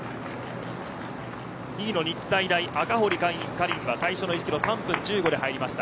２位の日体大赤堀かりんが最初の１キロ３分１５で入りました。